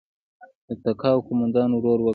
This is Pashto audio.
د تګاو قوماندان ورور وکتل.